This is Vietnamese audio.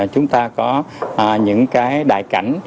chúng ta có những đài cảnh